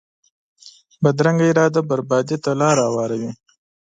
بدرنګه اراده بربادي ته لار هواروي